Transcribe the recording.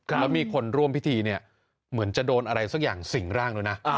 แล้วมีคนร่วมพิธีเนี่ยเหมือนจะโดนอะไรสักอย่างสิ่งร่างด้วยนะ